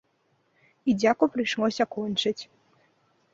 І дзяку прыйшлося кончыць.